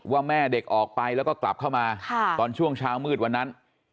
ว่าแม่เด็กออกไปแล้วก็กลับเข้ามาตอนช่วงเช้ามืดวันนั้น